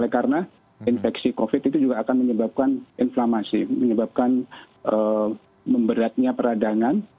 karena infeksi covid itu juga akan menyebabkan inflamasi menyebabkan memberatnya peradangan